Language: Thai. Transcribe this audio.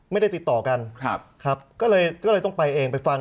ไม่ได้ติดต่อกันครับครับก็เลยก็เลยต้องไปเองไปฟัง